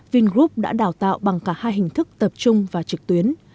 vingroup đã đào tạo bằng cả hai hình thức tập trung và trực tuyến